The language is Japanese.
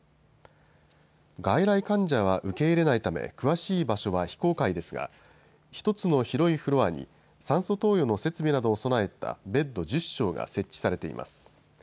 外来患者は受け入れないため、詳しい場所は非公開ですが、１つの広いフロアに、酸素投与の設備などを備えたベッド１０床が設置されています。